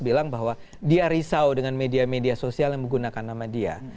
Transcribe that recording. bilang bahwa dia risau dengan media media sosial yang menggunakan nama dia